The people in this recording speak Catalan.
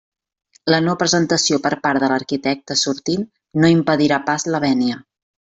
La no presentació per part de l'arquitecte sortint no impedirà pas la vènia.